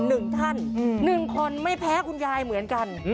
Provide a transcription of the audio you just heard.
หนึ่งท่านอืมหนึ่งคนไม่แพ้คุณยายเหมือนกัน